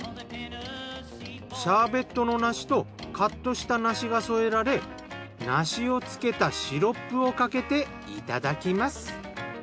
シャーベットの梨とカットした梨が添えられ梨を漬けたシロップをかけていただきます。